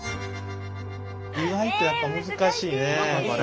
意外とやっぱ難しいねこれ。